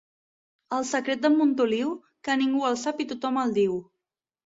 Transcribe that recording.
El secret d'en Montoliu, que ningú el sap i tothom el diu.